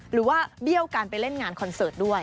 หรือว่าเบี้ยวกันไปเล่นงานคอนเสิร์ตด้วย